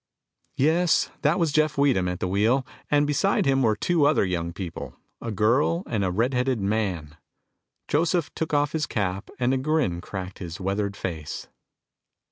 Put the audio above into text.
Yes, that was Jeff Weedham at the wheel, and beside him were two other young people a girl and a redheaded man. Joseph took off his cap and a grin cracked his weathered face.